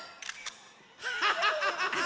ハハハハハ！